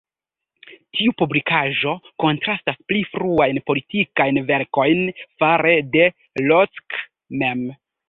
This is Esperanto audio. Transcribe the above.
Tiu publikaĵo kontrastas pli fruajn politikajn verkojn fare de Locke mem.